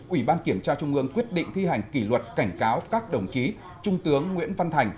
ủy ban kiểm tra trung ương quyết định thi hành kỷ luật cảnh cáo các đồng chí trung tướng nguyễn văn thành